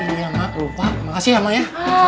iya mbak lupa makasih ya mbak ya